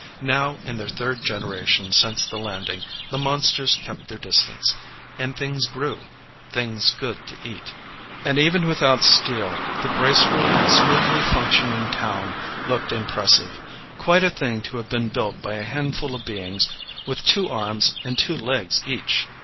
Now in their third generation since the landing, the monsters kept their distance. And things grew things good to eat. And even without steel, the graceful, smoothly functioning town looked impressive quite a thing to have been built by a handful of beings with two arms and two legs each.